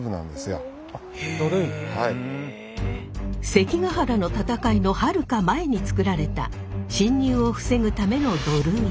関ケ原の戦いのはるか前に作られた侵入を防ぐための土塁。